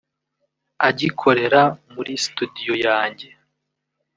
agikorera muri Studio yanjye